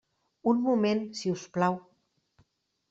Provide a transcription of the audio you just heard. Un moment, si us plau.